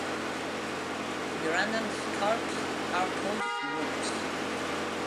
Mirandan scarps are called rupes.